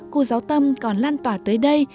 cô giáo tâm còn lan tỏa tới đây